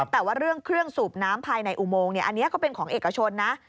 แต่ว่าเรื่องเครื่องสูบน้ำภายในอุโมงอันนี้ก็เป็นของเอกชนนะ